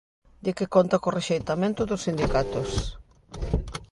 Di que conta co rexeitamento dos sindicatos.